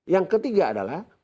yang ketiga adalah